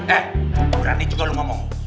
eh berani juga lo ngomong